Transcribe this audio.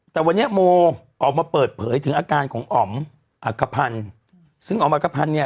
แต่วันนี้โมออกมาเปิดเผยถึงอาการของอ๋อมอักภัณฑ์ซึ่งอ๋อมอักกะพันธ์เนี่ย